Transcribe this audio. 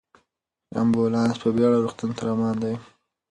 امبولانس په بیړه روغتون ته روان دی.